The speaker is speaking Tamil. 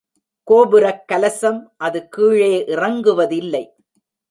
கோபுரக் கலசம் அது கீழே இறங்குவதில்லை.